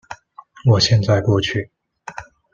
我現在過去